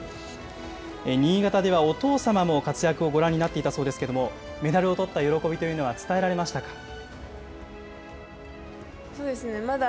新潟ではお父様も活躍をご覧になっていたそうですけれども、メダルをとった喜びというのは、伝えられましたか？